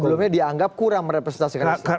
sebelumnya dianggap kurang merepresentasikan itu